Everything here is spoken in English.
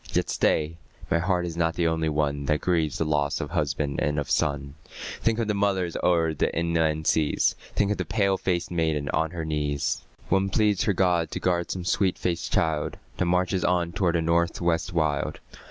Yet stay, my heart is not the only one That grieves the loss of husband and of son; Think of the mothers o'er the inland seas; Think of the pale faced maiden on her knees; One pleads her God to guard some sweet faced child That marches on toward the North West wild.